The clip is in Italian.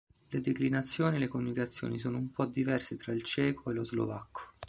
Le declinazioni e coniugazioni sono un po' diverse tra il ceco e lo slovacco.